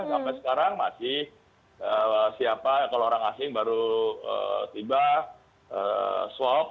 sampai sekarang masih siapa kalau orang asing baru tiba swab